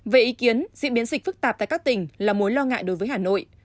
về ý kiến diễn biến dịch phức tạp tại các tỉnh là mối lo ngại đối với hà nội